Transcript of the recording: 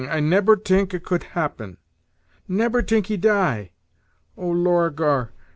I nebber tink a could 'appen! neber tink he die! Oh, Lor a gor!